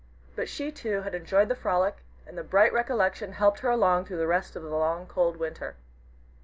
But she, too, had enjoyed the frolic, and the bright recollection helped her along through the rest of the long, cold winter.